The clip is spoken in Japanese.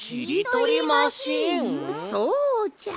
そうじゃ。